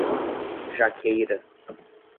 Jaqueira